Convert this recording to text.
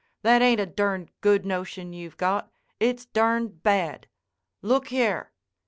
That ain't a durned good notion you've got. It's durned bad. Look here!"